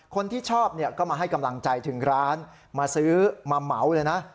คนที่ชอบเนี่ยก็มาให้กำลังใจถึงร้านมาซื้อมาเหมาเลยนะ